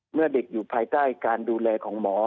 เมื่อเด็กอยู่ภายใต้การดูแลของหมอ